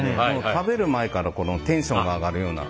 食べる前からテンションが上がるような。